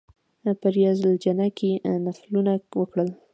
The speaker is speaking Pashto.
په ریاض الجنه کې نفلونه وکړل.